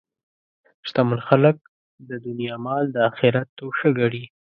شتمن خلک د دنیا مال د آخرت توښه ګڼي.